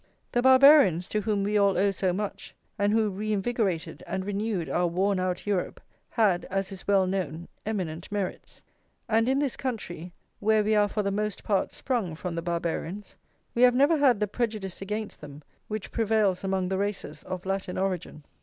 The Barbarians, to whom we all owe so much, and who reinvigorated and renewed our worn out Europe, had, as is well known, eminent merits; and in this country, where we are for the most part sprung from the Barbarians, we have never had the prejudice against them which prevails among the races of Latin origin.